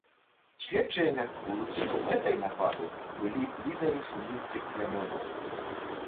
Следчыя мяркуюць, што мэтай нападу былі лідары суніцкіх плямёнаў.